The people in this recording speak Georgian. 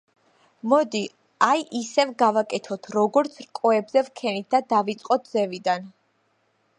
მოდი, აი ისევ გავაკეთოთ, როგორც რკოებზე ვქენით და დავიწყოთ ზევიდან.